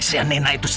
dia ada di rumah